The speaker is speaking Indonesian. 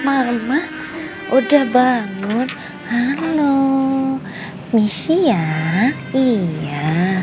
mama udah bangun halo misi ya iya